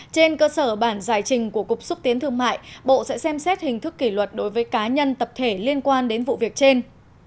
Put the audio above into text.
trên cơ sở bản giải trình của cục xúc tiến thương mại bộ sẽ xem xét hình thức kỷ luật đối với cá nhân tập thể liên quan đến vụ việc trên